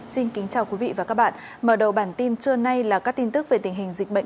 xin kính chào quý vị và các bạn mở đầu bản tin trưa nay là các tin tức về tình hình dịch bệnh